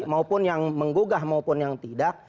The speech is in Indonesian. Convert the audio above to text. maupun yang menggugah maupun yang tidak